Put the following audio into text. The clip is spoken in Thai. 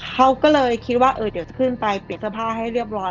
เขาก็เลยคิดว่าเดี๋ยวจะขึ้นไปเปลี่ยนเสื้อผ้าให้เรียบร้อย